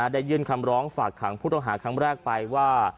ได้ยื่นคำร้องฝากขังผู้ต้องหาครั้งแรกไปว่า